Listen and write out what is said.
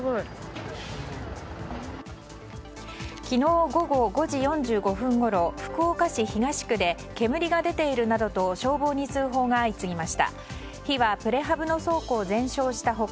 昨日午後５時４５分ごろ福岡市東区で煙が出ているなどと消防に通報が相次ぎました。